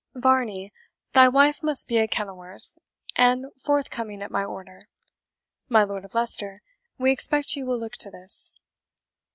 Varney, thy wife must be at Kenilworth, and forthcoming at my order. My Lord of Leicester, we expect you will look to this."